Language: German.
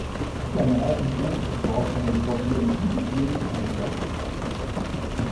In seiner ersten Profisaison kam er jedoch nur in sieben Spielen zum Einsatz.